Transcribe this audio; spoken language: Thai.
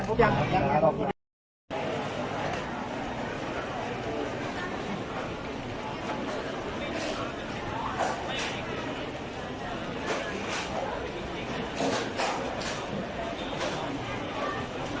สวัสดีครับ